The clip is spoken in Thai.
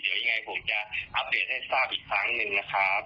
เดี๋ยวยังไงผมจะอัปเดตให้ทราบอีกครั้งหนึ่งนะครับ